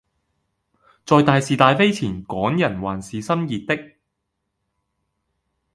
在大事大非前港人還是心熱的